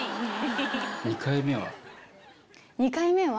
２回目は？